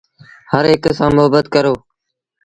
هرهڪ سآݩ مهبت ڪرو۔